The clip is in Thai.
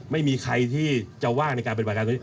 ไม่มีใครที่จะว่างในการปฏิบัติการตรงนี้